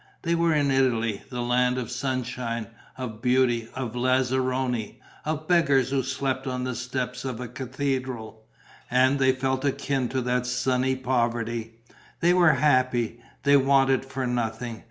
They were in Italy, the land of sunshine, of beauty, of lazzaroni, of beggars who slept on the steps of a cathedral; and they felt akin to that sunny poverty. They were happy, they wanted for nothing.